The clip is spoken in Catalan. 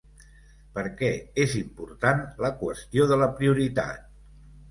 Per què és important la qüestió de la prioritat?